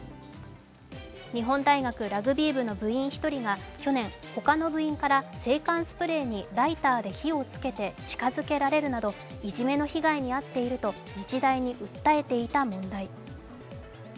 日本大学ラグビー部の部員１人が去年、他の部員から制汗スプレーにライターで火をつけて近づけられるなどいじめの被害に遭っていると日大に訴えていた問題。